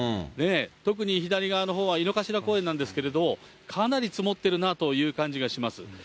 特に左側のほうは井の頭公園なんですけれど、かなり積もってるなという感じがします。